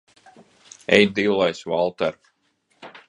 Ej dillēs, Valter!